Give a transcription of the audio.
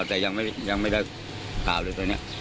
แต่ยังไม่ได้ข่าวเลยตอนนี้